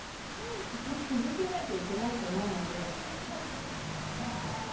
続けないといけないと思うので。